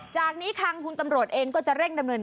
จากนี้ทางคุณตำรวจเองก็จะเร่งดำเนิน